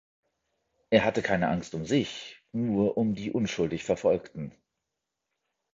Er hatte keine Angst um sich, nur um die unschuldig Verfolgten.